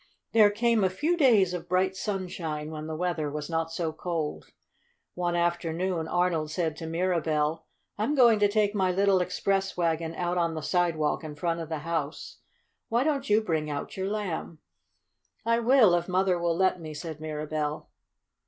There came a few days of bright sunshine, when the weather was not so cold. One afternoon Arnold said to Mirabell: "I'm going to take my little express wagon out on the sidewalk in front of the house. Why don't you bring out your Lamb?" "I will, if Mother will let me," said Mirabell.